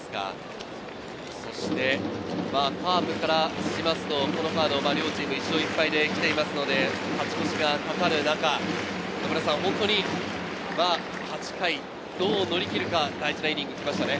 そしてカープからしますと、このカード両チーム１勝１敗できていますので、勝ち越しがかかる中、本当に８回、どう乗り切るか、大事なイニングが来ましたね。